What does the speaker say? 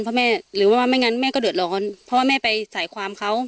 เพราะแม่หรือว่าว่าไม่งั้นแม่ก็เดือดร้อนเพราะว่าแม่ไปสายความเขา